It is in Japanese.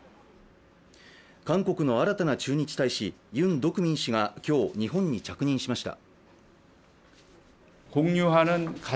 韓国の新たな駐日大使、ユン・ドクミン氏が今日、日本に着任しました。